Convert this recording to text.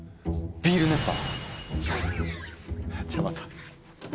ビール熱波？